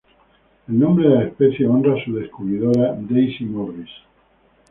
El nombre de la especie honra a su descubridora Daisy Morris.